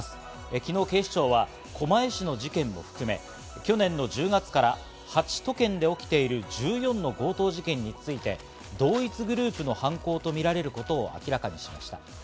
昨日、警視庁は狛江市の事件も含め、去年の１０月から８都県で起きている１４の強盗事件について、同一グループの犯行とみられることを明らかにしました。